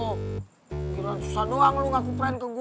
kira kira susah doang lo ngaku plan ke gue